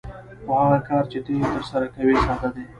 خو هغه کار چې ته یې ترسره کوې ساده دی